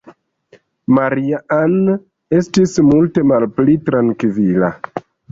Maria-Ann estis multe malpli trankvila.